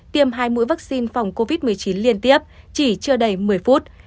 tiêm hai mũi vaccine phòng covid một mươi chín liên tiếp chỉ chưa đầy một mươi phút